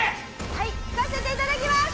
はい引かせていただきます。